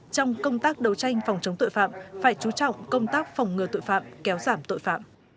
trong công tác đấu tranh phòng chống tội phạm phải chú trọng công tác phòng ngừa tội phạm kéo giảm tội phạm